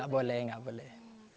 gak boleh juga gak boleh